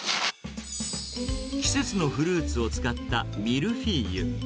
季節のフルーツを使ったミルフィーユ。